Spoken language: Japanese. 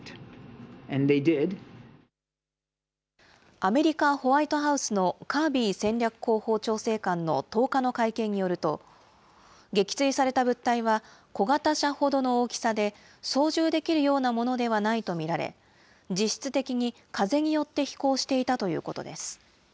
アメリカ・ホワイトハウスのカービー戦略広報調整官の１０日の会見によると、撃墜された物体は、小型車ほどの大きさで、操縦できるようなものではないと見られ、実質的に風によって飛行していたということです。